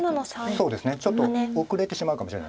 そうですねちょっと後れてしまうかもしれない。